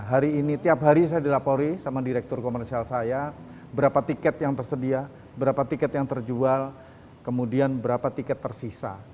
hari ini tiap hari saya dilaporin sama direktur komersial saya berapa tiket yang tersedia berapa tiket yang terjual kemudian berapa tiket tersisa